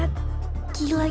ada yang nyantai